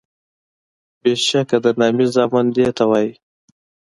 بیشکه د نامي زامن دیته وایي